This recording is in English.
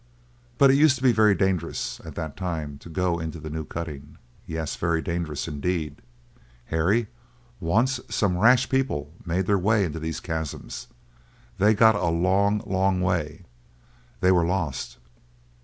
But it used to be very dangerous at that time to go into the new cutting—yes, very dangerous indeed, Harry! Once some rash people made their way into these chasms. They got a long, long way; they were lost!"